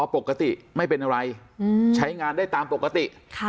ปกติไม่เป็นอะไรใช้งานได้ตามปกติ